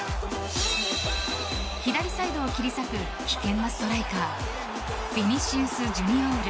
左サイドを切り裂く危険なストライカーヴィニシウスジュニオール